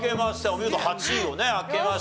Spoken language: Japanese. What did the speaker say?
お見事８位をね開けました。